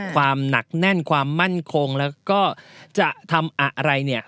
ความหนักแน่นความมั่นคงแล้วก็จะทำอะไรเนี่ย